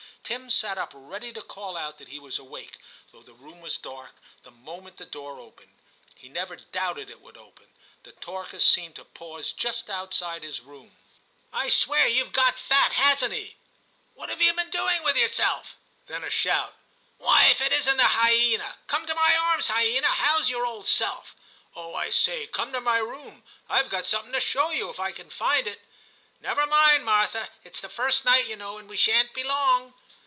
Tim sat up ready to call out that he was awake, though the room was dark, the moment the door opened ; he never doubted It would open. The talkers seemed to pause just outside his room. ' I swear youVe got fat ; hasn't he ?'* What have you V TIM 89 been doing with yourself?' Then a shout. *Why, if it isn't the hyena! Come to my arms, hyena ; how's your old self ? Oh ! I say, come to my room ; I Ve got something to show you, if I can find it. Never mind, Martha ; it's the first night, you know, and we shan't be long.'